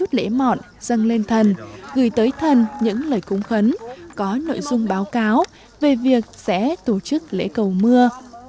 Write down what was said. những người đại diện cho bàn làng sẽ có chút lễ mọn dâng lên thần gửi tới thần những lời cúng khấn có nội dung báo cáo về việc sẽ tổ chức lễ cầu mưa